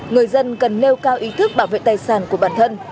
người dân cần nêu cao ý thức bảo vệ tài sản của bản thân